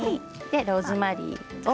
ローズマリー。